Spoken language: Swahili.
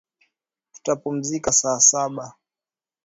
Tutapumzika saa saba.